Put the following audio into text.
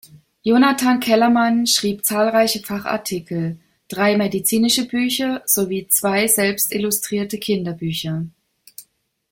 Jonathan Kellerman schrieb zahlreiche Fachartikel, drei medizinische Bücher sowie zwei selbst illustrierte Kinderbücher.